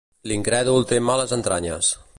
L'incrèdul té males entranyes.